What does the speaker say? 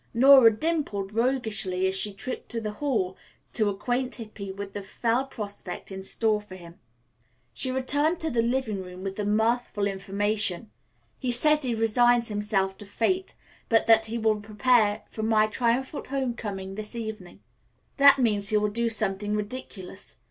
Nora dimpled roguishly as she tripped to the hall to acquaint Hippy with the fell prospect in store for him. She returned to the living room with the mirthful information: "He says he resigns himself to his fate, but that he will prepare for my triumphal home coming this evening. That means he will do something ridiculous.